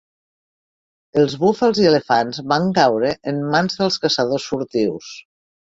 Els Búfals i elefants van caure en mas dels caçadors furtius.